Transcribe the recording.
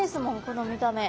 この見た目。